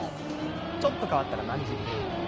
ちょっと変わったらまんじ。